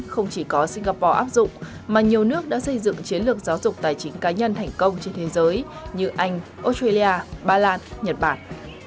không chỉ có singapore áp dụng mà nhiều nước đã xây dựng chiến lược giáo dục tài chính cá nhân thành công trên thế giới như anh australia ba lan nhật bản